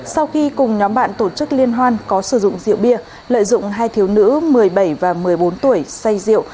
sau khi cùng nhóm bạn tổ chức liên hoan có sử dụng rượu bia lợi dụng hai thiếu nữ một mươi bảy và một mươi bốn tuổi say rượu